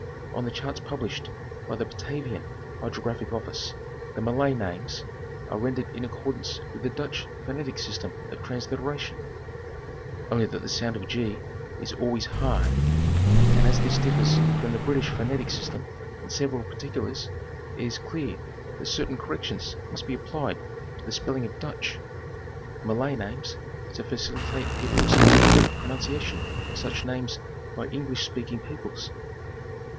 On the charts published by the Batavian Hydrographic Ofitice, the Malay names are rendered in accordance with the Dutch pho netic system of transliteration (only that the sound of g is always hard) and as this differs from the British phonetic system in sev eral particulars, it is clear that certain corrections must be applied to the spelling of " Dutch" Malay names to facilitate the approxi mately correct pronunciation of such names by English speaking peoples.